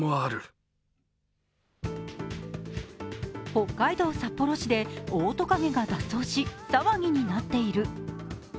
北海道札幌市でオオトカゲが脱走し騒ぎになっている。